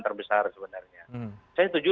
terbesar sebenarnya saya setuju